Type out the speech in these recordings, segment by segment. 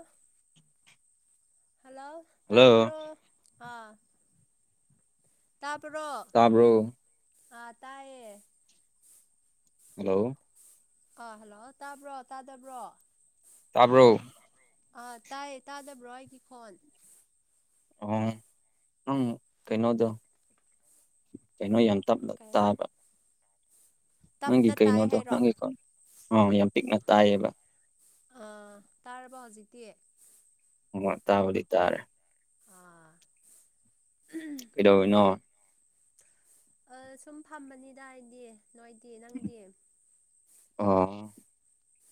ꯑꯐ hello hello ꯇꯄꯔ ꯑ ꯇꯥꯄꯣ ꯇꯥꯕ꯭ꯔꯣ ꯑꯥ ꯇꯌꯦ ꯍꯜꯂꯣ ꯑꯥ ꯍꯜꯂꯣ ꯇꯥꯕ꯭ꯔꯣ ꯇꯥꯗꯕ꯭ꯔꯣ ꯇꯥꯕ꯭ꯔꯣ ꯑꯥ ꯇꯥꯏꯌꯦ ꯇꯥꯗꯕ꯭ꯔꯣ ꯑꯩꯒꯤ ꯈꯣꯟ ꯑꯣ ꯅꯪ ꯀꯩꯅꯣꯗꯣ ꯀꯩꯅꯣ ꯌꯥꯝ ꯇ ꯀꯩꯕ ꯇꯥꯕ ꯅꯪꯒꯤ ꯇꯞꯅ ꯇꯥꯏ ꯀꯩꯅꯣꯗꯣ ꯍꯥꯏꯔꯣ ꯅꯪꯒꯤ ꯑ ꯌꯥꯝ ꯄꯤꯛꯅ ꯇꯥꯏꯌꯦꯕ ꯑ ꯇꯥꯔꯕꫭ ꯍꯧꯖꯤꯛꯇꯤ ꯑꯣ ꯇꯥꯕꯗꯤꯇꯥꯥꯔꯦ ꯑ ꯀꯩꯗꯧꯅꯣ ꯑ ꯁꯨꯝ ꯐꯝꯕꯅꯤꯗ ꯍꯥꯏꯗꯤ ꯅꯣꯏꯗꯤ ꯅꯪꯗꯤ ꯑꯣ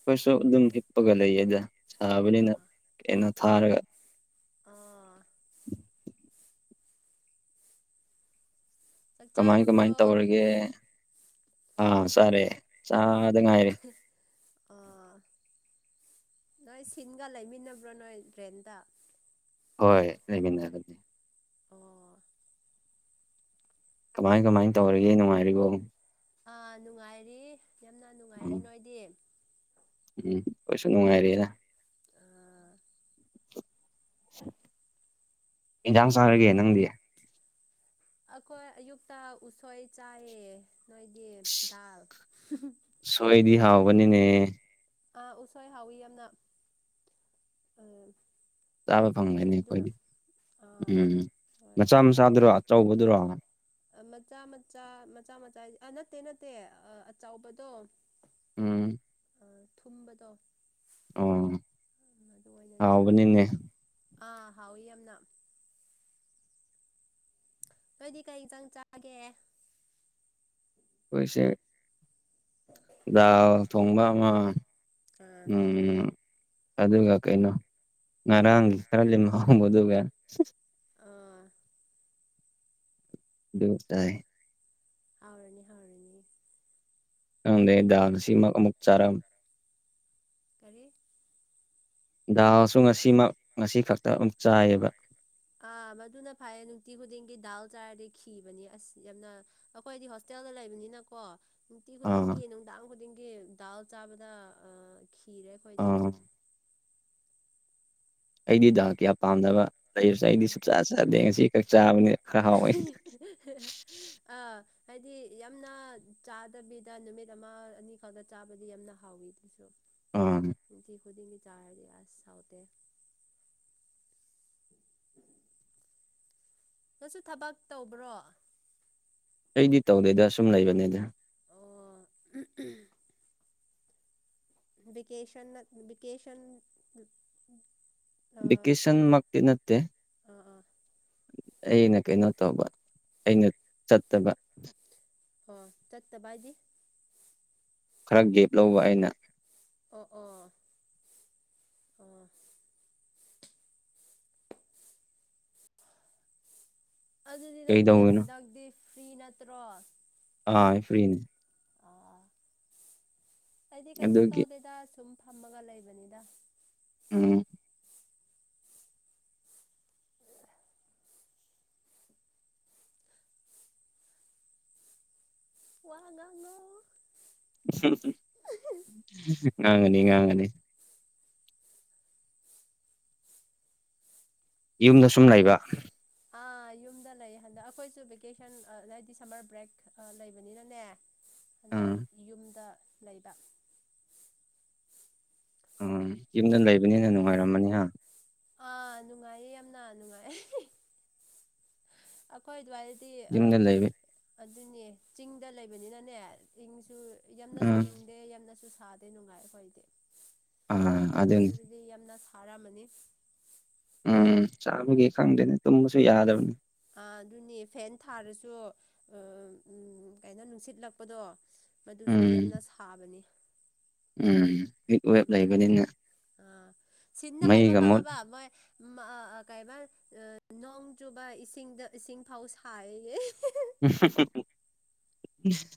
ꯀꯩꯁꯨ ꯑꯗꯨꯝ ꯍꯤꯞꯄꯒ ꯂꯩꯌꯦꯗ ꯊꯕꯅꯤꯅ ꯀꯩꯅ ꯊꯥꯔꯒ ꯑꯥ ꯆꯥꯛ ꯀꯃꯥꯏ ꯀꯃꯥꯏ ꯆꯥꯔꯕ꯭ꯔꯣ ꯇꯧꯔꯒꯦ ꯑꯥ ꯆꯥꯔꯑꯦ ꯆꯥꯗ ꯉꯥꯏꯔꯦ ꯑꯥ ꯅꯣꯏ ꯁꯤꯟꯒ ꯂꯩꯃꯤꯟꯅꯕ꯭ꯔꯣ ꯅꯣꯏ ꯗ꯭ꯔꯦꯟꯗ ꯍꯣꯏ ꯂꯩꯕꯤꯟꯅꯔ ꯑꯣ ꯀꯃꯥꯏ ꯀꯃꯥꯏꯅ ꯇꯧꯔꯤꯒꯦ ꯅꯨꯡꯉꯥꯏꯔꯤꯕꯣ ꯑꯥ ꯅꯨꯡꯉꯥꯏꯔꯤ ꯌꯥꯝꯅ ꯅꯨꯡꯉꯥꯏꯔꯤ ꯅꯣꯏꯗꯤ ꯎꯝ ꯀꯩꯁꯨ ꯅꯨꯡꯉꯥꯏꯔꯦꯅ ꯑꯥ ꯌꯦꯟꯖꯥꯡ ꯆꯥꯔꯒꯦ ꯅꯪꯗꯤ ꯑꯩꯈꯣꯏ ꯑꯌꯨꯛꯇ ꯎꯁꯣꯏ ꯆꯥꯏꯌꯦ ꯅꯣꯏꯗꯤ ꯗꯜ ꯁꯣꯏꯗꯤ ꯍꯥꯎꯕꯅꯤꯅꯦ ꯑ ꯎꯁꯣꯏ ꯍꯥꯎꯤ ꯌꯥꯝꯅ ꯎꯝ ꯆꯥꯕ ꯐꯪꯒꯅꯤ ꯑꯩꯈꯣꯏꯗꯤ ꯑꯥ ꯎꯝ ꯃꯆꯥ ꯍꯣꯏ ꯃꯆꯥꯗꯨꯔꯣ ꯑꯆꯧꯕꯗꯨꯔꯣ ꯃꯆꯥ ꯃꯆꯥ ꯃꯆꯥ ꯃꯆꯥ ꯑ ꯅꯠꯇꯦ ꯅꯠꯇꯦ ꯑꯆꯕꯗꯣ ꯎꯝ ꯊꯨꯝꯕꯗꯣ ꯑꯣ ꯑꯗꯨ ꯑꯣꯏꯅ ꯆꯥꯏ ꯍꯥꯎꯕꯅꯤꯅꯦ ꯑꯥ ꯍꯥꯎ ꯏ ꯌꯥꯝꯅ ꯅꯣꯏꯗꯤ ꯀꯩ ꯆꯪ ꯆꯥꯒꯦ ꯄꯣꯏꯁꯦ ꯥꯎ ꯊꯣꯡꯕ ꯑꯃ ꯑꯥ ꯎꯝ ꯑꯗꯨꯒ ꯀꯩꯅꯣ ꯉꯔꯥꯡꯒꯤ ꯈꯔ ꯂꯩꯍꯣꯡꯕ ꯑꯗꯨꯒ ꯑꯥ ꯗꯨꯝ ꯇꯥꯏ ꯍꯥꯎꯔꯅꯤ ꯍꯥꯎꯔꯅꯤ ꯈꯪꯗꯦ ꯗꯥꯝꯁꯤ ꯑꯃꯛ ꯑꯃꯨꯛ ꯆꯥꯔꯝ ꯀꯔꯤ ꯗꯥꯎꯁꯨ ꯉꯁꯤꯃꯛ ꯉꯁꯤ ꯈꯛꯇ [unintelligible] ꯆꯥꯏꯑꯕ ꯑꯥ ꯃꯗꯨꯅ ꯐꯩꯌꯦ ꯅꯨꯡꯇꯤ ꯈꯨꯗꯤꯡꯒꯤ ꯗꯥꯜ ꯇꯥꯔꯗꯤ ꯈꯤꯕꯅꯤ ꯑꯁ ꯌꯥꯝꯅ ꯑꯩꯈꯣꯏꯗꯤ ꯍꯣꯁꯇꯦꯜꯗ ꯂꯩꯕꯅꯤꯅꯀꯣ ꯅꯨꯡꯇꯤ ꯑꯥ ꯈꯨꯗꯤꯡꯒꯤ ꯅꯨꯡꯗꯥꯡ ꯈꯨꯗꯤꯡꯒꯤ ꯗꯥꯜ ꯆꯥꯕꯗ ꯑꯥ ꯈꯤꯔꯦ ꯑꯩꯈꯣꯏꯗꯤ ꯑꯥ ꯑꯩꯗꯤ ꯗꯥꯜ ꯀꯌꯥ ꯄꯥꯝꯗꯕ ꯂꯩꯕꯁꯦ ꯑꯩꯗꯤ ꯑꯗ ꯁꯨꯡꯆꯥꯥ ꯆꯥꯗꯦ ꯉꯁꯤ ꯈꯛ ꯆꯥꯕꯅꯤ ꯈꯔ ꯍꯥꯎꯋꯤ ꯑꯥ ꯍꯥꯏꯗꯤ ꯌꯥꯝꯅ ꯆꯥꯗꯕꯤꯗ ꯅꯨꯃꯤꯠ ꯑꯃ ꯑꯅꯤꯈꯛꯇ ꯆꯥꯕꯗꯤ ꯌꯥꯝꯅ ꯍꯥꯎꯋꯤ ꯑꯗꯨꯁꯨ ꯑꯥ ꯅꯨꯡꯇꯤ ꯈꯨꯗꯤꯡꯒꯤ ꯆꯥꯔꯗꯤ ꯑꯁ ꯍꯥꯎꯇꯦ [unintelligible] ꯅꯪꯁꯨ ꯊꯕꯛ ꯇꯧꯕ꯭ꯔꯣ ꯑꯩꯗꯤ ꯇꯧꯗꯦꯗ ꯁꯨꯝ ꯂꯩꯕꯅꯦꯗ ꯑꯣ [unintelligible] ꯕꯦꯀꯦꯁꯟꯅ ꯕꯦꯀꯦꯁꯟ ꯕꯦꯀꯦꯁꯟ ꯃꯛꯇꯤ ꯅꯠꯇꯦ ꯑꯥ ꯑꯥ ꯑꯩꯅ ꯀꯩꯅꯣ ꯇꯧꯕ ꯑꯩꯅ ꯆꯠꯇꯕ ꯑꯣ ꯆꯠꯇꯕ ꯍꯥꯏꯗꯤ ꯈꯔ ꯒꯦꯞ ꯂꯧꯕ ꯑꯩꯅ ꯑꯣ ꯑꯣ ꯑꯣ ꯑꯗꯨꯗꯤ ꯅꯪꯗꯤ ꯀꯩꯗꯧꯔꯤꯅꯣ ꯍꯟꯗꯛꯇꯤ ꯐ꯭ꯔꯤ ꯅꯠꯇ꯭ꯔꯣ ꯑ ꯐ꯭ꯔꯤꯅꯤ ꯑꯥ ꯑꯩꯗꯤ ꯀꯩꯁꯨ ꯑꯗꯨꯒꯤ ꯇꯧꯗꯦꯗ ꯁꯨꯝ ꯐꯝꯃꯒ ꯂꯩꯕꯅꯤꯗ ꯎꯝ ꯋꯥ ꯉꯥꯡꯉꯣ [unintelligible] ꯉꯥꯡꯉꯅꯤ ꯉꯥꯡꯉꯅꯤ ꯌꯨꯝꯗ ꯁꯨꯝ ꯂꯩꯕ ꯑꯥ ꯌꯨꯝꯗ ꯂꯩ ꯍꯟꯗꯛ ꯑꯩꯈꯣꯏꯁꯨ ꯚꯦꯀꯦꯁꯟ ꯑ ꯍꯥꯏꯗꯤ ꯁꯝꯃꯔ ꯕ꯭ꯔꯦꯛ ꯑꯥ ꯂꯩꯕꯅꯤꯅꯅꯦ ꯍꯟꯗꯛ ꯎꯝ ꯌꯨꯝꯗ ꯂꯩꯕ ꯑ ꯌꯨꯝꯗ ꯂꯩꯕꯅꯤꯅ ꯅꯨꯡꯉꯥꯏꯔꯝꯃꯅꯤꯍ ꯑꯥ ꯅꯨꯡꯉꯥꯏꯌꯦ ꯌꯥꯝꯅ ꯅꯨꯡꯉꯥꯏ ꯑꯩꯈꯣꯏ ꯑꯗꯨꯋꯥꯏꯗꯤ ꯑ ꯌꯨꯝꯗ ꯂꯩꯕ ꯑꯗꯨꯅꯦ ꯆꯤꯡꯗ ꯂꯩꯕꯅꯤꯅꯅꯦ ꯏꯪꯁꯨ ꯌꯥꯝꯅꯁꯨ ꯎꯝ ꯏꯪꯗꯦ ꯌꯥꯝꯅꯁꯨ ꯁꯥꯗꯦ ꯅꯨꯡꯉꯥꯏ ꯑꯩꯈꯣꯏꯗꯤ ꯑꯥ ꯅꯣꯏ ꯑꯗꯨꯅꯤ ꯑꯗꯨꯗꯤ ꯌꯥꯝꯅ ꯁꯥꯔꯝꯃꯅꯤ ꯎꯝ ꯆꯥꯕꯒꯤ ꯈꯪꯗꯦꯅꯦ ꯇꯨꯝꯕꯁꯨ ꯌꯥꯗꯕꯅꯤ ꯑꯥ ꯑꯗꯨꯅꯤ ꯐꯦꯟ ꯊꯥꯔꯁꯨ ꯑꯥ ꯎꯝ ꯀꯩꯅꯣ ꯅꯨꯡꯁꯤꯠꯂꯛꯄꯗꯣ ꯃꯗꯨꯁꯨ ꯎꯝ ꯌꯥꯝꯅ ꯁꯥꯕꯅꯤ ꯎꯝ ꯍꯤꯠ ꯋꯦꯕ ꯎꯝ ꯂꯩꯕꯅꯤꯅ ꯑꯥ ꯁꯤꯟꯅ ꯍꯥꯏꯕ ꯃꯩꯒ ꯃꯨꯠ ꯈꯪꯉꯕ ꯃꯣꯏ [unintelligible] ꯀꯩꯃ ꯅꯣꯡ ꯆꯨꯕ ꯏꯁꯤꯡꯗ ꯏꯁꯤꯡ ꯐꯥꯎ ꯁꯥꯏꯌꯦ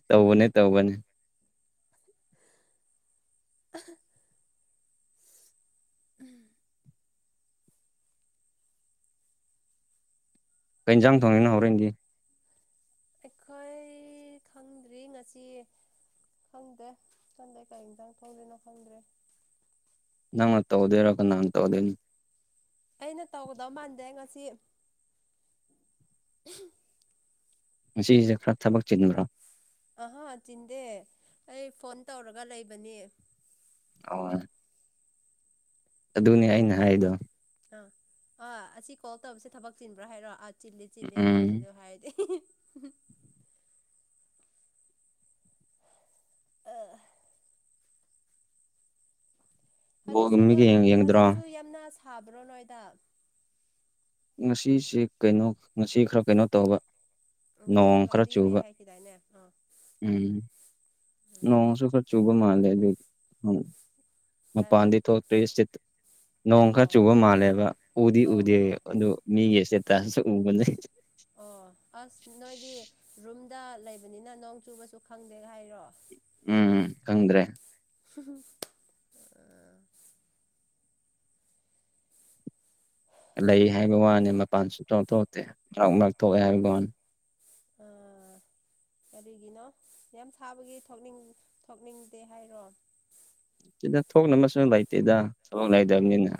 ꯇꯧꯕꯅꯦ ꯇꯧꯕꯅꯦ [unintelligible] ꯀꯩꯟꯖꯥꯡ ꯊꯣꯡꯉꯤꯅꯣ ꯍꯣꯔꯦꯟꯒꯤ ꯑꯩꯈꯣꯏ ꯈꯪꯗ꯭ꯔꯤ ꯉꯁꯤ ꯈꯪꯗꯦ ꯆꯟꯗꯦ ꯀꯩ ꯏꯟꯖꯥꯡ ꯊꯣꯛꯗꯣꯏꯅꯣ ꯈꯪꯗ꯭ꯔꯦ ꯅꯪꯅ ꯇꯧꯗꯣꯏꯔꯣ ꯀꯅꯥꯟ ꯇꯧꯗꯣꯏꯅꯣ ꯑꯩꯅ ꯇꯧꯒꯗꯧ ꯃꯥꯟꯗꯦ ꯑꯩ ꯉꯁꯤ ꯉꯁꯤꯁꯦ ꯈꯔ ꯊꯕꯛ ꯆꯤꯟꯕ꯭ꯔꯣ꯫ ꯑꯍꯥ ꯆꯤꯟꯗꯦ ꯑꯩ ꯐꯣꯟ ꯇꯧꯔꯒ ꯂꯩꯕꯅꯤ꯫ ꯑꯍꯣꯏ꯫ ꯑꯗꯨꯅꯦ ꯑꯩꯅ ꯍꯥꯏꯗꯣ꯫ ꯑꯥ ꯑꯥ ꯑꯁꯤ ꯀꯣꯜ ꯇꯧꯕꯁꯦ ꯊꯕꯛ ꯆꯤꯟꯕ꯭ꯔꯥ ꯍꯥꯏꯔꯣ ꯑꯥ ꯆꯤꯜꯂꯤ ꯆꯤꯜꯂꯤ ꯑꯗꯨ ꯎꯝ ꯑꯗꯨ ꯍꯥꯏꯔꯗꯤ꯫꯫ [unintelligible] ꯑ꯫ ꯍꯧꯖꯤꯛꯁꯨ ꯅꯣꯏ ꯕꯣꯜꯒꯨꯝꯕꯒ ꯌꯦꯡ ꯌꯦꯡꯗ꯭ꯔꯣ ꯍꯧꯖꯤꯛꯁꯨ ꯌꯥꯝꯅ ꯁꯥꯕ꯭ꯔꯣ ꯅꯣꯏꯗ꯫ ꯉꯁꯤꯁꯦ ꯀꯩꯅꯣ ꯉꯁꯤ ꯈꯔ ꯀꯩꯅꯣ ꯇꯧꯕ꯫ ꯉꯁꯤ ꯅꯣꯡꯈ꯭ꯔ ꯀ꯭ꯂꯥꯎꯗꯤ ꯑꯣꯏꯌꯦ ꯆꯨꯕ ꯍꯥꯏꯈꯤꯗꯥꯏꯅꯦ ꯑꯥ ꯎꯝ꯫ ꯎꯝ ꯅꯣꯡꯁꯨ ꯈꯔꯆꯨꯕ ꯃꯥꯥꯜꯂꯦ ꯑꯗꯨꯒꯤ ꯃꯄꯥꯟꯗꯤ ꯀꯥꯏꯕ ꯃꯄꯥꯟꯗꯤ ꯊꯣꯛꯇꯦ ꯏꯁꯇꯦ ꯅꯣꯡ ꯑꯣ ꯈꯔ ꯑꯣ ꯆꯨꯕ ꯃꯥꯜꯂꯦꯕ ꯎꯗꯤ ꯑꯣ ꯎꯗꯦ ꯑꯣ ꯑꯗꯨ ꯃꯤꯒꯤ ꯏꯁꯇꯦ ꯇꯁ ꯎꯕꯅꯦ꯫ ꯑꯣ ꯑꯁ ꯅꯣꯏꯗꯤ ꯔꯨꯝꯗ ꯂꯩꯕꯅꯤꯅ ꯅꯣꯡ ꯆꯨꯕꯁꯨ ꯈꯪꯗꯦ ꯍꯥꯏꯔꯣ꯫ ꯎꯝ ꯎꯝ ꯈꯪꯗ꯭ꯔꯦ꯫ [unintelligible] ꯂꯩ ꯍꯥꯏꯕ ꯋꯥꯅꯤ ꯃꯄꯥꯟ ꯁꯨꯡꯊꯣꯛ ꯊꯣꯛꯇꯦ ꯃꯥꯔꯛ ꯃꯥꯔꯛ ꯊꯣꯛꯑꯦ ꯍꯥꯏꯕꯒꯤ ꯋꯥꯅꯤ꯫ ꯑꯥ꯫ ꯀꯔꯤꯒꯤꯅꯣ ꯌꯥꯝ ꯁꯥꯕꯒꯤ ꯊꯣꯛꯅꯤꯡ ꯊꯣꯛꯅꯤꯡꯗꯦ ꯍꯥꯏꯔꯣ꯫ ꯁꯤꯗ ꯊꯣꯛꯅꯕꯁꯨ ꯂꯩꯇꯦꯗ ꯊꯕꯛ ꯂꯩꯇꯕꯅꯤꯅ꯫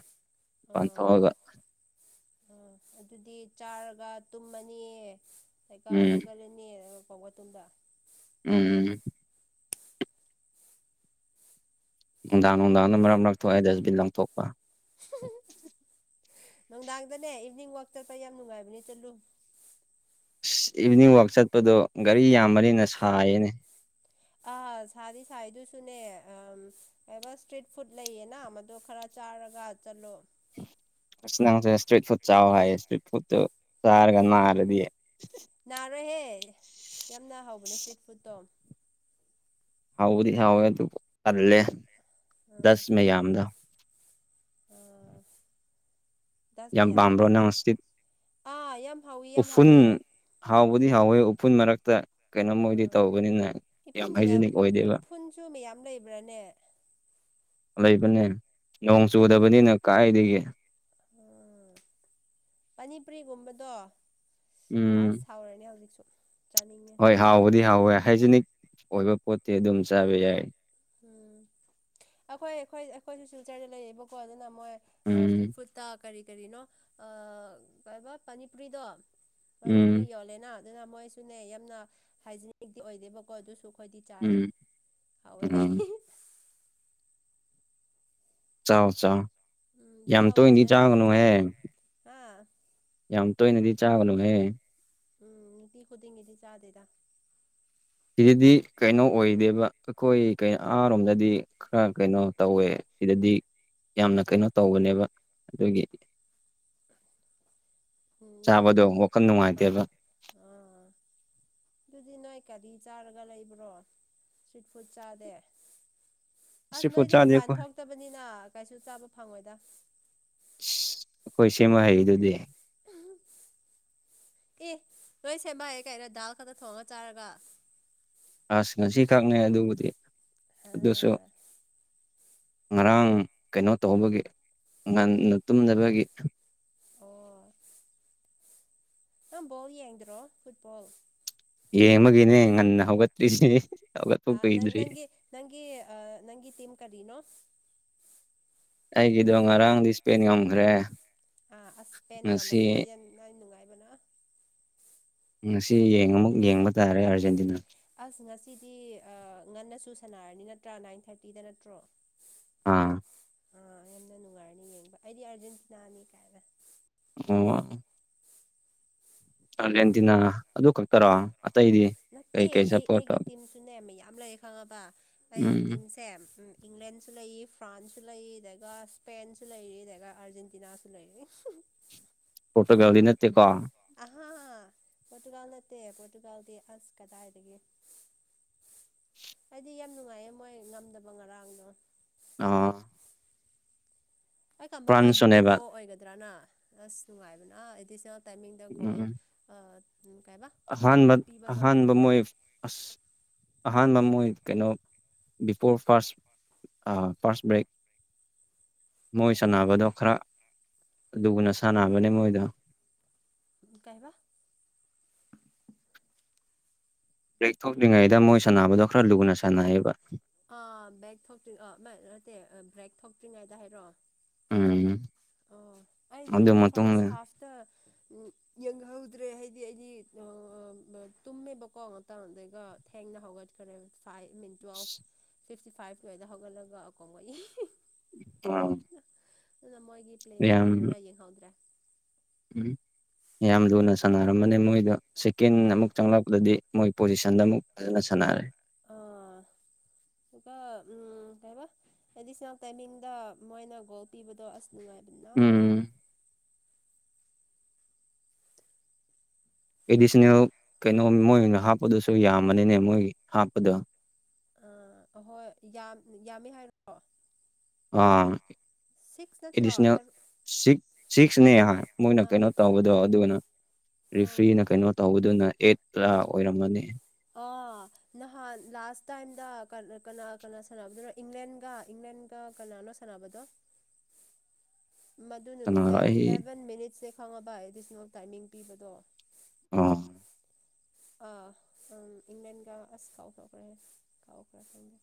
ꯃꯄꯥꯟ ꯑꯣ ꯊꯣꯛꯑꯒ ꯑꯥ ꯑꯗꯨꯗꯤ ꯆꯥꯔꯒ ꯇꯨꯝꯃꯅꯤꯌꯦ꯫ ꯇꯩꯀ ꯎꯝ ꯍꯒꯠꯂꯅꯤ [unintelligible] ꯇꯨꯝꯗ꯫ ꯎꯝ꯫ ꯅꯨꯡꯗꯥꯡ ꯅꯨꯡꯗꯥꯡꯗ ꯃꯔꯛ ꯃꯔꯛ ꯊꯣꯛꯑꯦ ꯑꯗꯨꯗꯤ ꯂꯥꯡꯊꯣꯛꯄ꯫ ꯅꯨꯡꯗꯥꯡꯗꯅꯦ ꯏꯕꯤꯅꯤꯡ ꯋꯥꯛ ꯆꯠꯄ ꯌꯥꯝ ꯅꯨꯡꯉꯥꯏꯕꯅꯤ ꯆꯠꯂꯨ꯫ ꯏꯁ ꯏꯚꯤꯅꯤꯡ ꯋꯥꯛ ꯆꯠꯄꯗꯣ ꯒꯥꯔꯤ ꯌꯥꯝꯕꯅꯤꯅ ꯁꯥꯏꯌꯦꯅꯦ꯫ ꯑꯥ ꯁꯥꯗꯤ ꯁꯥꯢꯗꯨꯁꯨꯅꯦ ꯑ ꯀꯩꯕ ꯏꯁꯇ꯭ꯔꯤꯠ ꯐꯨꯗ ꯂꯩꯌꯦꯅ ꯃꯗꯣ ꯈꯔ ꯆꯥꯔꯒ ꯆꯠꯂꯣ꯫ ꯑꯁ ꯅꯪꯁꯦ ꯏꯁꯇ꯭ꯔꯤꯠ ꯐꯨꯗ ꯆꯥꯎꯑꯣ ꯍꯥꯏꯌꯦ ꯏꯁꯇ꯭ꯔꯤꯠ ꯐꯨꯠꯇꯨ ꯆꯥꯔꯒ ꯅꯔꯗꯤ꯫ ꯅꯥꯔꯣꯏꯍꯦ ꯌꯥꯝꯅ ꯍꯥꯎꯕꯅꯦ ꯏꯁ꯭ꯇ꯭ꯔꯤꯠ ꯐꯨꯠꯇꯣ꯫ ꯍꯥꯎꯕꯗꯤ ꯍꯥꯎꯋꯦ ꯑꯗꯨ ꯇꯥꯜꯂꯦ꯫ ꯎꯝ ꯑꯥ꯫ ꯗꯁ ꯌꯥꯝ ꯃꯌꯥꯝꯅ ꯄꯥꯝꯕ꯭ꯔꯣ ꯀꯥꯏꯅ ꯅꯪ ꯏꯁꯇ꯭ꯔꯤꯠ ꯑꯥ ꯌꯥꯝ ꯍꯥꯎꯋꯤ ꯌꯥꯝ ꯎꯐꯨꯟ ꯍꯥꯎꯋꯤ ꯑꯥ ꯍꯥꯎꯕꯗꯤ ꯍꯥꯎꯋꯦ ꯎꯐꯨꯜ ꯃꯔꯛꯇ꯫ ꯀꯩꯅꯣꯝꯃꯣꯏꯗꯤ ꯇꯧꯕꯅꯤꯅ ꯌꯥꯝ ꯏꯐꯨꯟ ꯃꯌꯥꯝ ꯍꯥꯏꯖꯤꯅꯤꯛ ꯑꯣꯏꯗꯦꯕ꯫ ꯏꯐꯨꯟꯁꯨ ꯃꯌꯥꯝ ꯂꯩꯕ꯭ꯔꯥꯅꯦ ꯂꯩꯕꯅꯦ ꯅꯣꯡ ꯎꯝ ꯆꯨꯗꯕꯅꯤꯅ ꯀꯥꯏꯗꯒꯤ꯫ ꯎꯝ ꯄꯅꯤꯄꯔꯤꯒꯨꯝꯕꯗꯣ꯫ ꯎꯝ ꯑꯁ ꯍꯥꯎꯔꯅꯤ ꯍꯧꯖꯤꯛꯁꯨ ꯆꯅꯤꯡꯉꯤ꯫ ꯑ ꯍꯥꯎꯕꯗꯤ ꯍꯥꯎꯋꯦ ꯍꯥꯏꯖꯤꯅꯤꯛ ꯑꯣꯏꯕ ꯄꯣꯠꯇꯤ ꯑꯗꯨꯝ ꯆꯥꯕ ꯌꯥꯏ꯫ ꯎꯝ ꯑꯩꯈꯣꯏ ꯑꯩꯈꯣꯏ ꯑꯩꯈꯣꯏꯁꯨ ꯁꯤꯜꯆꯔꯗ ꯂꯩꯌꯦꯕꯀꯣ ꯑꯗꯨꯅ ꯃꯣꯏ ꯎꯝ ꯏꯁꯇ꯭ꯔꯤꯠ ꯐꯨꯠ ꯇ ꯀꯔꯤ ꯀꯔꯤꯅꯣ ꯑ ꯀꯩꯕ ꯄꯅꯤꯄꯨꯔꯤꯗꯣ ꯎꯝ ꯄꯅꯤꯄꯨꯔꯤ ꯌꯣꯜꯂꯦꯅ ꯑꯗꯨꯅ ꯃꯣꯏꯁꯨꯅꯦ ꯌꯥꯝꯅ ꯍꯥꯏꯖꯤꯅꯤꯛꯇꯤ ꯑꯣꯏꯗꯦꯕꯀꯣ ꯑꯗꯨꯁꯨ ꯑꯩꯈꯣꯏꯗꯤ ꯆꯥꯔꯦ ꯎꯝ ꯍꯥꯎꯋꯦ ꯑꯦ꯫ ꯎꯝ ꯆꯥꯎ ꯆꯥꯎ ꯎꯝ ꯌꯥꯝ ꯆꯥꯎ ꯇꯣꯏꯅꯗꯤ ꯀꯥꯏꯅ ꯅꯣꯏꯁꯨ ꯆꯥꯎ ꯆꯥꯒꯅꯨꯍꯦ꯫ ꯍꯥ ꯌꯥꯝ ꯇꯣꯏꯅꯗꯤ ꯆꯥꯕꯅꯨꯍꯦ꯫ ꯎꯝ ꯅꯨꯡꯇꯤ ꯈꯨꯗꯤꯡꯒꯤꯗꯤ ꯆꯥꯗꯦꯗ꯫ ꯁꯤꯗꯗꯤ ꯀꯩꯅꯣ ꯑꯣꯏꯗꯦꯕ ꯑꯈꯣꯏ ꯀꯩ ꯑꯃꯔꯣꯝꯗꯗꯤ꯫ ꯈꯔ ꯀꯩꯅꯣ ꯇꯧꯋꯦ ꯁꯤꯗꯗꯤ꯫ ꯌꯥꯝꯅ ꯀꯩꯅꯣ ꯇꯧꯕꯅꯦꯕ ꯑꯗꯨꯒꯤ꯫ ꯎꯝ ꯃꯣꯏ ꯆꯥꯕꯗꯣ ꯋꯥꯈꯜ ꯑꯥ ꯅꯨꯡꯉꯥꯏꯇꯦꯕ꯫ ꯗꯨꯗꯤ ꯅꯣꯏ ꯀꯔꯤ ꯆꯥꯔꯒ ꯂꯩꯕ꯭ꯔꯣ ꯏꯁꯇ꯭ꯔꯤꯠ ꯐꯨꯗ ꯆꯥꯗꯦ꯫ ꯁꯤ ꯑꯁ ꯄꯣꯠ ꯅꯣꯏꯗꯤ ꯆꯥꯗꯦ ꯃꯄꯥꯟ ꯑꯩꯈꯣꯏ ꯊꯣꯛꯇꯕꯅꯤꯅ ꯀꯩꯁꯨ ꯆꯥꯕ ꯐꯪꯉꯣꯏꯗ ꯁ ꯈꯣꯏ ꯁꯤꯃꯥ ꯍꯩꯗꯨꯗꯤ꯫ ꯑꯦ ꯅꯣꯏ ꯁꯦꯝꯕꯑꯦ ꯀꯩꯅꯣ ꯗꯥꯜ ꯈꯛꯇ ꯊꯣꯡꯉ ꯆꯥꯔꯒ ꯑꯁ ꯉꯁꯤꯈꯛꯅꯦ ꯑꯗꯨꯕꯨꯗꯤ ꯑꯗꯨꯁꯨ ꯑꯝ ꯉꯔꯥꯡ ꯀꯩꯅꯣ ꯇꯧꯕꯒꯤ ꯉꯟꯅ ꯇꯨꯝꯗꯕꯒꯤ꯫ ꯑꯣ ꯅꯪ ꯕꯣꯜ ꯌꯦꯡꯗ꯭ꯔꯣ ꯐꯨꯠꯕꯣꯜ꯫ ꯌꯦꯡꯕꯒꯤꯅꯤ ꯉꯟꯅ ꯍꯧꯒꯠꯇ꯭ꯔꯤꯁꯤ ꯍꯧꯒꯠꯄ ꯑ ꯅꯪ ꯀꯨꯏꯗ꯭ꯔꯤ ꯅꯪꯒꯤ ꯅꯪꯒꯤ ꯑ ꯅꯪꯒꯤ ꯇꯤꯝ ꯀꯔꯤꯅꯣ ꯑꯩꯒꯤꯗꯣ ꯉꯔꯥꯡꯗꯤ ꯏꯁꯄꯦꯟ ꯉꯝꯈ꯭ꯔꯦ꯫ ꯑꯥ ꯑꯁ ꯉꯁꯤ ꯄꯦꯟꯒꯕꯗꯤ ꯑꯩ ꯅꯨꯡꯉꯥꯏꯕꯅ ꯉꯁꯤ ꯌꯦꯡ ꯑꯃꯨꯛ ꯌꯦꯡꯕ ꯇꯥꯔꯦ ꯑꯥꯔꯖꯦꯟꯇꯤꯅꯥ ꯑꯁ ꯉꯁꯤꯗꯤ ꯑ ꯉꯟꯅꯁꯨ ꯁꯥꯟꯅꯔꯅꯤ ꯅꯠꯇ꯭ꯔꯥ ꯅꯥꯏꯟ ꯊꯥꯔꯇꯤꯗ ꯅꯠꯇ꯭ꯔꯣ꯫ ꯑꯥ꯫ ꯑꯥ ꯌꯥꯝꯅ ꯅꯨꯡꯉꯥꯏꯔꯅꯤ ꯌꯦꯡꯕ ꯑꯩꯗꯤ ꯑꯥꯔꯖꯦꯟꯇꯤꯅꯥꯅꯤ ꯀꯥꯏꯅ ꯑꯣꯋꯥ ꯑꯔꯖꯦꯟꯇꯤꯅꯥ ꯑꯗꯨ ꯈꯛꯇꯔꯣ ꯑꯇꯩꯗꯤ꯫ ꯀꯩ ꯅꯠꯇꯦ ꯀꯩ ꯑꯩ ꯁꯞꯄꯣꯔꯠ ꯑꯩꯒꯤ ꯇꯧ ꯇꯤꯝꯁꯨꯅꯦ ꯃ ꯌꯥꯝ ꯂꯩ ꯈꯪꯉꯕ ꯑꯩ ꯎꯝ ꯇꯤꯝꯁꯦ ꯇꯦꯝ ꯏꯪꯂꯦꯟꯁꯨ ꯂꯩ ꯐ꯭ꯔꯥꯟꯁꯁꯨ ꯂꯩ ꯗꯦꯒ ꯁ꯭ꯄꯦꯟꯁꯨ ꯂꯩꯔꯤ ꯗꯦꯒ ꯑꯥꯔꯖꯦꯟꯇꯤꯅꯥꯁꯨ ꯂꯩꯔꯤ꯫ [inaudible] ꯄꯣꯔꯇꯨꯒꯜ ꯗꯤ ꯅꯠꯇꯦꯀꯣ꯫ ꯑꯍꯥꯥ ꯄꯣꯔꯇꯨꯒꯥꯜ ꯅꯠꯇꯦ ꯄꯣꯔꯇꯨꯒꯥꯜꯗꯤ ꯑꯁ ꯀꯗꯥꯏꯗꯒꯤ꯫ ꯍꯥꯏꯗꯤ ꯌꯥꯝ ꯅꯨꯡꯉꯥꯏꯌꯦ ꯃꯣꯏ ꯉꯝꯗꯕ ꯉꯔꯥꯡꯗꯣ ꯑꯥ ꯑꯩ ꯀꯝꯕ ꯃꯣꯏ ꯗ꯭ꯔꯣ ꯐ꯭ꯔꯥꯟꯁꯁꯨꯅꯦꯕ ꯑꯣꯏꯒꯗ꯭ꯔꯅ ꯑꯁ ꯅꯨꯡꯉꯥꯏꯕꯅ ꯑꯦꯗꯤꯁꯅꯦꯜ ꯇꯥꯏꯃꯤꯡꯗ ꯒꯣꯜ ꯎꯝ ꯎ ꯀꯥꯏꯕ ꯑꯍꯥꯟꯕ ꯑꯍꯥꯟꯕ ꯃꯣꯏ ꯑꯁ ꯑꯍꯥꯟꯕ ꯃꯣꯏ ꯀꯩꯅꯣ ꯕꯤꯐꯣꯔ ꯐꯥꯔꯁ ꯑꯥ ꯐꯥꯔꯁ ꯕ꯭ꯔꯦꯛ ꯃꯣꯏ ꯑꯍꯥ ꯁꯥꯟꯅꯕꯗꯣ ꯈꯔ ꯑꯗꯨꯒꯅ ꯁꯥꯟꯅꯕꯅꯦ ꯃꯣꯏꯗꯣ꯫ ꯎꯝ ꯀꯩꯕ꯫ ꯕ꯭ꯔꯦꯛ ꯊꯣꯛꯇ꯭ꯔꯤꯉꯩꯗ ꯃꯣꯏ ꯁꯥꯟꯅꯕꯗꯣ ꯈꯔ ꯂꯨꯅ ꯁꯥꯟꯅꯩꯌꯦꯕ ꯑ ꯕ꯭ꯔꯦꯛ ꯊꯣꯛꯇ꯭ꯔꯤ ꯑ ꯅꯠꯇꯦ ꯕ꯭ꯔꯦꯛ ꯊꯣꯛꯇ꯭ꯔꯤꯉꯩꯗ ꯍꯥꯏꯔꯣ ꯎꯝ ꯑꯣ ꯑꯩꯗꯤ ꯑꯗꯨ ꯐꯥꯔꯁ ꯃꯇꯨꯡꯗ ꯍꯥꯐꯇ ꯎꯝ꯫ ꯌꯦꯡꯍꯧꯗ꯭ꯔꯦ ꯍꯥꯏꯗꯤ ꯑꯩꯗꯤ [unintelligible] ꯇꯨꯝꯃꯦꯕꯀꯣ ꯉꯥꯛꯇꯪꯗꯦꯒ ꯊꯦꯡꯅ ꯍꯧꯒꯠꯈ꯭ꯔꯦ ꯐꯥꯏꯚ ꯃꯤꯟ ꯇꯨꯌꯦꯜꯐ ꯐꯤꯐꯇꯤ ꯐꯥꯏꯚꯀꯤ ꯗ ꯍꯧꯒꯠꯂꯒ ꯀꯣ [unintelligible] ꯑꯝ꯫ ꯗꯨꯅ ꯃꯣꯏꯒꯤ ꯄ꯭ꯂꯦꯗꯣ ꯐꯖꯅ ꯌꯦꯡꯍꯧꯗ꯭ꯔꯦ꯫ ꯎꯝ ꯌꯥꯝ ꯂꯨꯅ ꯁꯥꯟꯅꯔꯝꯕꯅꯦ ꯃꯣꯏꯗꯣ ꯁꯦꯀꯦꯟ ꯑꯥ ꯑꯃꯨꯛ ꯆꯪꯂꯛꯄꯗꯗꯤ꯫ ꯃꯣꯏ ꯄꯣꯖꯤꯁꯟꯗ ꯑꯃꯨꯛ ꯐꯖꯅ ꯁꯥꯟꯅꯔꯦ꯫ ꯑꯥ꯫ ꯑꯗꯨꯒ ꯀꯩꯩꯅꯣ ꯑꯦꯗꯤꯁꯅꯦꯜ ꯇꯥꯏꯃꯤꯡꯗ ꯃꯣꯏꯅ ꯒꯣꯜ ꯄꯤꯕꯗꯣ ꯑꯁ ꯅꯨꯡꯉꯥꯏꯔꯗꯣ ꯑꯦꯗꯤꯁꯅꯦꯜ ꯀꯩꯅꯣ ꯃꯣꯏꯅ ꯍꯥꯞꯄꯗꯨꯁꯨ ꯌꯥꯝꯃꯅꯤꯅꯦ ꯃꯣꯏꯒꯤ ꯍꯥꯞꯄꯗꯣ ꯑ ꯑꯍꯣꯏ ꯌꯥꯝ ꯌꯥꯝꯃꯦ ꯍꯥꯏꯔ ꯑꯥ ꯁꯤꯛꯁ ꯅꯠꯇ꯭ꯔꯣ ꯑꯦꯗꯤꯁꯅꯦꯜ ꯇꯔꯨꯛ ꯁꯤꯛꯁꯅꯦ ꯍꯥꯏ ꯃꯣꯏꯅ ꯑꯥ ꯀꯩꯅꯣ ꯇꯧꯕꯗꯣ ꯑꯗꯨꯒꯅ ꯑꯥ ꯔꯤꯐ꯭ꯔꯤꯅ ꯀꯩꯅꯣ ꯇꯧꯕꯗꯨꯅ ꯑꯦꯠꯇꯂ ꯑꯣꯏꯔꯝꯃꯅꯤ꯫ ꯑꯣ ꯅꯍꯥꯟ ꯂꯥꯁ ꯇꯥꯏꯝꯗ ꯀꯅꯥ ꯀꯅꯥ ꯁꯥꯟꯅꯕꯗꯨꯅꯣ ꯏꯪꯂꯦꯟꯒ ꯏꯪꯂꯦꯟꯒ ꯀꯅꯥꯅꯣ ꯁꯥꯟ ꯅ ꯁꯥꯟꯅꯕꯗꯣ [inaudible] ꯃꯗꯨ ꯅꯨꯃꯤꯠꯇ ꯀꯅꯥꯔ ꯑꯩ ꯏꯂꯚꯦꯟ ꯃꯤꯅꯤꯠꯁꯁꯦ ꯈꯪꯉꯕ ꯑꯦꯗꯤꯁꯅꯦꯜ ꯇꯥꯏꯃꯤꯡ ꯄꯤꯕꯗꯣ ꯑꯥ꯫ ꯑꯥ ꯑꯝ ꯏꯪ꯭ꯂꯦꯟ ꯒ ꯑꯁ ꯀꯥꯎꯊꯣꯛꯈ꯭ꯔꯦꯍꯦ ꯀꯥꯎꯈ꯭ꯔꯦ ꯈꯪꯗꯦ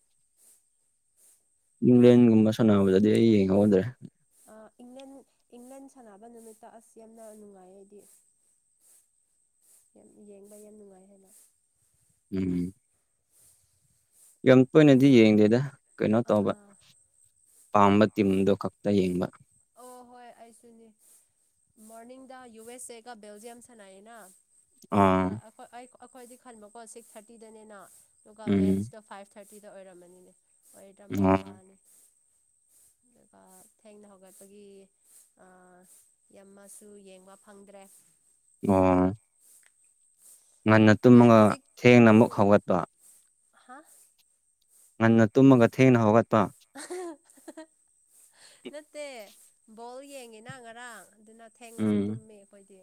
ꯏꯪꯂꯦꯟꯒꯨꯝꯕ ꯁꯥꯟꯅꯕꯗꯗꯤ ꯑꯩ ꯌꯦꯡꯍꯧꯗ꯭ꯔꯦ꯫ ꯏꯪꯂꯟ ꯏꯪꯂꯟ ꯁꯥꯟꯅꯕ ꯅꯨꯃꯤꯠꯇ ꯑꯁ ꯌꯥꯝꯅ ꯅꯨꯡꯉꯥꯏ ꯑꯩꯗꯤ ꯌꯥꯝ ꯌꯦꯡꯕ ꯌꯥꯝ ꯅꯨꯡꯉꯥꯏ ꯍꯥꯏꯅ ꯎꯝ ꯌꯥꯝ ꯇꯣꯏꯅꯗꯤ ꯌꯦꯡꯗꯦꯗ ꯀꯩꯅꯣ ꯇꯧꯕ ꯑꯥ ꯄꯥꯝꯕ ꯇꯤꯝꯗꯣ ꯈꯛꯇ ꯌꯦꯡꯕ꯫ ꯑꯣ ꯍꯣꯏ ꯑꯩꯁꯨꯅꯤ ꯃꯣꯔꯅꯤꯡꯗ ꯌꯨ ꯑꯦꯁ ꯑꯦꯒ ꯕꯦꯜꯖꯤꯌꯝ ꯁꯥꯟꯅꯌꯦꯅ ꯑ ꯑꯥ ꯑꯈꯣꯢ ꯑꯩꯈꯣ ꯑꯩꯈꯣꯏꯗꯤ ꯈꯟꯕꯀꯣ ꯁꯤꯛꯁ ꯊꯥꯔꯇꯤꯗꯅꯦꯅ ꯑꯗꯨꯒ ꯎꯝ ꯃꯦꯠꯁꯇꯣ ꯐꯥꯏꯚ ꯊꯥꯔꯇꯤꯗ ꯑꯣꯏꯔꯝꯃꯅꯤꯅꯦ ꯑꯣꯏꯔꯝꯕ ꯑꯥ ꯋꯥꯅꯤ ꯗꯨꯒ ꯊꯦꯡꯅ ꯍꯧ ꯋꯠꯄꯒꯤ ꯑ ꯌꯥꯝꯃꯁꯨ ꯌꯦꯡꯕ ꯐꯪꯗ꯭ꯔꯦ ꯑꯣ꯫ ꯉꯟꯅ ꯅꯣꯏ ꯇꯨꯝꯃꯒ ꯍꯧꯖꯤꯛ ꯊꯦꯡꯅ ꯑꯃꯨꯛ ꯎꯝ ꯍꯧꯒꯠꯄ꯫ ꯍꯥ ꯉꯟꯅ ꯇꯨꯝꯃꯒ ꯊꯦꯡꯅ ꯍꯧꯒꯠꯄ ꯅꯠꯇꯦ ꯕꯣꯜ ꯌꯦꯡꯉꯤꯅ ꯉꯔꯥꯡ꯫ ꯑꯗꯨꯅ ꯊꯦꯡꯅꯁꯨ ꯎꯝ ꯇꯨꯝꯃꯤ ꯑꯩꯈꯣꯏꯗꯤ